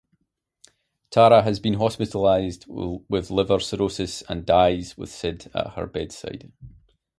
Tara has been hospitalized with liver cirrhosis and dies with Sid at her bedside.